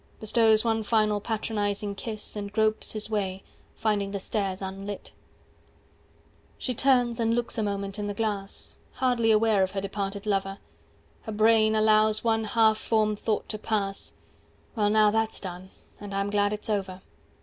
Bestows one final patronizing kiss, And gropes his way, finding the stairs unlit… She turns and looks a moment in the glass, Hardly aware of her departed lover; 250 Her brain allows one half formed thought to pass: "Well now that's done: and I'm glad it's over."